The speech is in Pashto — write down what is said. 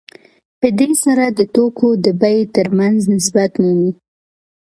په دې سره د توکو د بیې ترمنځ نسبت مومي